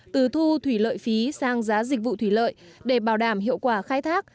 từ thu thủy lợi phí sang giá dịch vụ thủy lợi để bảo đảm hiệu quả khai thác